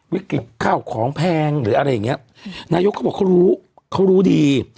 วิกฤตข้าวของแพงหรืออะไรอย่างเงี้ยนายกเขาบอกเขารู้เขารู้ดี